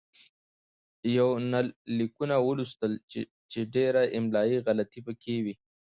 يونليکونه ولوستل چې ډېره املايي غلطي پکې وې